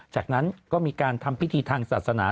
จากนั้นก็มีการทำพิธีทางศาสนา